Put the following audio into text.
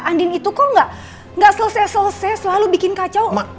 andin itu kok gak selesai selesai selalu bikin kacau